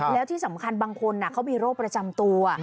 แล้วที่สำคัญบางคนเขามีโรคประจำตัว